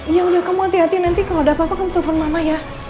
ya udah kamu hati hati nanti kalau ada apa apa kamu telpon mama ya